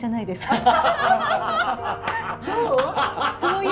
どう？